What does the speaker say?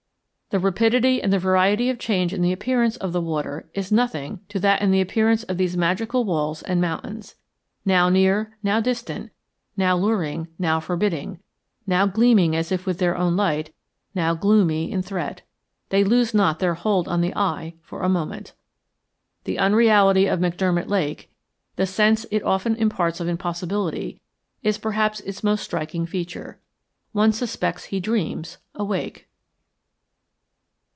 The rapidity and the variety of change in the appearance of the water is nothing to that in the appearance of these magical walls and mountains. Now near, now distant; now luring, now forbidding; now gleaming as if with their own light; now gloomy in threat, they lose not their hold on the eye for a moment. The unreality of McDermott Lake, the sense it often imparts of impossibility, is perhaps its most striking feature. One suspects he dreams, awake.